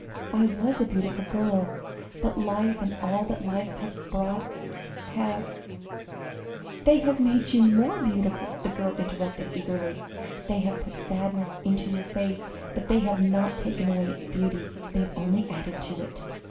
I was a beautiful girl. But life, and all that life has brought have " "They have made you more beautiful," the girl interrupted eagerly; "they have put sadness into your face, but they have not taken away its beauty; they have only added to it."